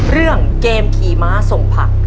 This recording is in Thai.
เรื่องเกมขี่ม้าส่งผัก